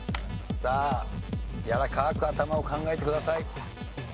さあやわらかく頭を考えてください。